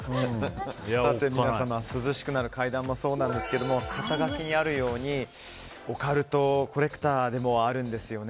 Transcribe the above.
涼しくなる怪談もそうなんですけど肩書にあるようにオカルトコレクターでもあるんですよね。